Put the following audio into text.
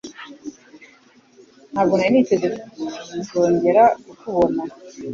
Ntabwo nari niteze kuzongera kukubona.